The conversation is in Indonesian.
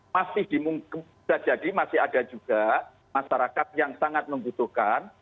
masih ada juga masyarakat yang sangat membutuhkan